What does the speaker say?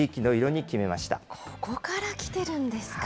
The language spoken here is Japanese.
ここからきてるんですか。